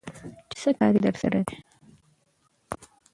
چې څه کار يې درسره دى?